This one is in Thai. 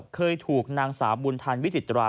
เคยถูกนางสาวบุญทันวิจิตรา